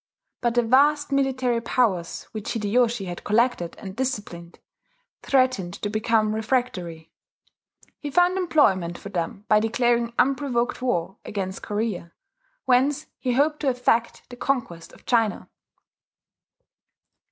But the vast military powers which Hideyoshi had collected and disciplined, threatened to become refractory. He found employment for them by declaring unprovoked war against Korea, whence he hoped to effect the conquest of China.